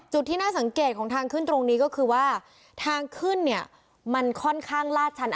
จุดที่น่าสังเกตของทางขึ้นตรงนี้ก็คือว่าทางขึ้นเนี่ยมันค่อนข้างลาดชัน